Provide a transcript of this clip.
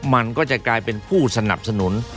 มันก็จะกลายเป็นผู้สนับสนุน